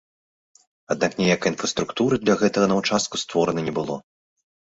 Аднак ніякай інфраструктуры для гэтага на ўчастку створана не было.